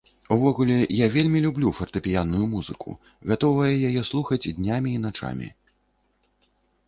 Увогуле, я вельмі люблю фартэпіянную музыку, гатовая яе слухаць днямі і начамі.